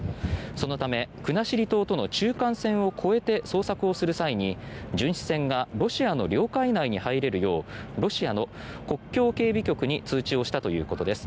そのため国後島との中間線を越えて捜索をする際に、巡視船がロシアの領海内に入れるようロシアの国境警備局に通知をしたということです。